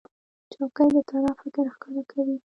چوکۍ د طراح فکر ښکاره کوي.